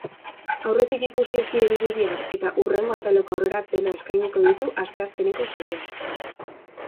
Aurretik ikusi ez diren irudiak eta hurrengo ataleko aurrerapena eskainiko ditu asteazkeneko saioak.